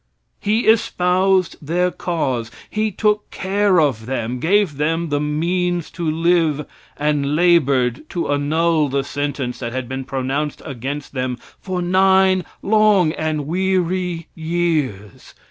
He espoused their cause. He took care of them, gave them the means to live, and labored to annul the sentence that had been pronounced against them for nine long and weary years.